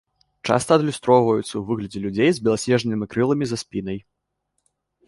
Часта адлюстроўваюцца ў выглядзе людзей з беласнежнымі крыламі за спінай.